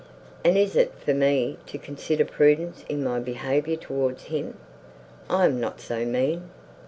And is it for me to consider prudence in my behaviour towards him! I am not so mean."